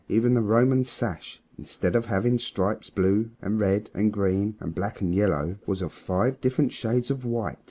Even the Roman sash, instead of having stripes blue and red and green and black and yellow, was of five different shades of white.